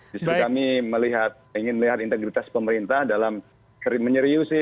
justru kami melihat ingin melihat integritas pemerintah dalam menyeriusi